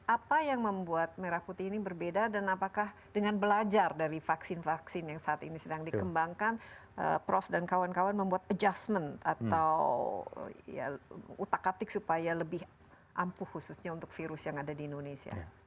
apa yang membuat merah putih ini berbeda dan apakah dengan belajar dari vaksin vaksin yang saat ini sedang dikembangkan prof dan kawan kawan membuat adjustment atau utak atik supaya lebih ampuh khususnya untuk virus yang ada di indonesia